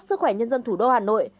sức khỏe nhân dân thủ đô hà nội